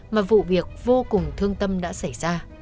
mà vụ việc vô cùng thương tâm đã xảy ra